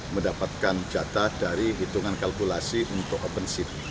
mendapatkan jatah dari hitungan kalkulasi untuk open seat